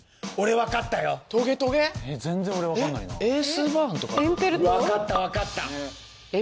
わかったわかった。